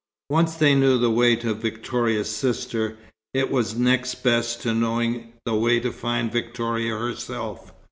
Once they knew the way to Victoria's sister, it was next best to knowing the way to find Victoria herself.